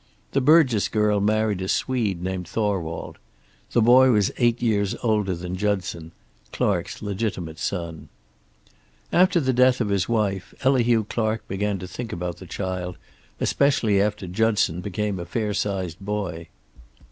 The Burgess girl married a Swede named Thorwald. The boy was eight years older than Judson, Clark's legitimate son. "After the death of his wife Elihu Clark began to think about the child, especially after Judson became a fair sized boy.